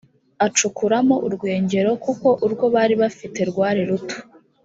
acukuramo urwengero kuko urwo bari bafite rwari ruto